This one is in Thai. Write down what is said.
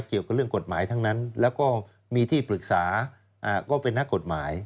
เกี่ยวกับเรื่องกฎหมายทั้งนั้นแล้วก็มีที่ปรึกษาก็เป็นนักกฎหมาย